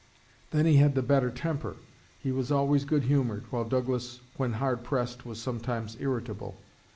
Then he had the better temper; he was always good humored, while Douglas, when hard pressed, was sometimes irritable.